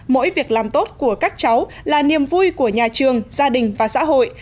mỗi việc làm tốt của các cháu là niềm vui của nhà trường gia đình và xã hội